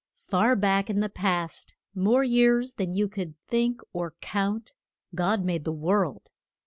FAR back in the past, more years than you could think or count, God made the world.